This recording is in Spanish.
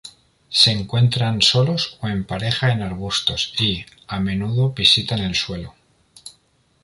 Se encuentran solos o en parejas en arbustos y, a menudo visitan el suelo.